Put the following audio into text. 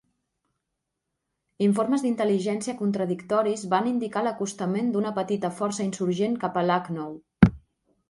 Informes d'intel·ligència contradictoris van indicar l'acostament d'una petita força insurgent cap a Lucknow.